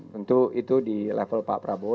tentu itu di level pak prabowo